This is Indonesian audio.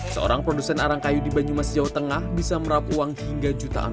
seorang produsen arang kayu di banyumas jawa tengah bisa merab uang hingga rp jutaan